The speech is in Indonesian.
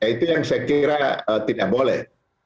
itu yang saya kira tidak boleh